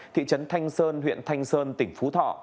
thị trấn thanh sơn huyện thanh sơn tỉnh phú thọ